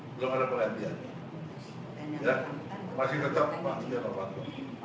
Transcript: belum ada perhentian masih tetap pas jano pakdo